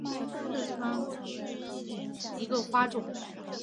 四川蜡瓣花为金缕梅科蜡瓣花属下的一个种。